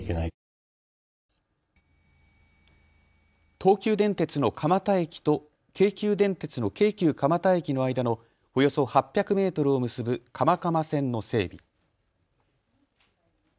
東急電鉄の蒲田駅と京急電鉄の京急蒲田駅の間のおよそ８００メートルを結ぶ蒲蒲線の整備。